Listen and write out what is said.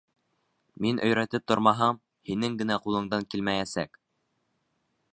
Мин өйрәтеп тормаһам, һинең генә ҡулыңдан килмәйәсәк.